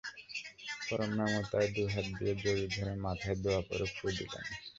পরম মমতায় দুই হাত দিয়ে জড়িয়ে ধরে মাথায় দোয়া পড়ে ফুঁ দিলেন।